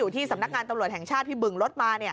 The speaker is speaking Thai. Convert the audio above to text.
ที่สำนักงานตำรวจแห่งชาติที่บึงรถมา